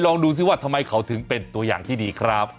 โดนดิโดนดิ